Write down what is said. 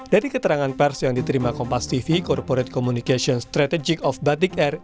dari keterangan pers yang diterima kompas tv corporate communication strategic of batik air